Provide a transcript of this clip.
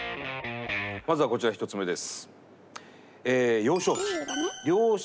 まずはこちら１つ目です。